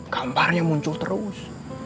gambarnya muncul terus